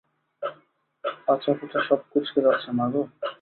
পাছা-পুছা সব কুঁচকে যাচ্ছে, মা গো!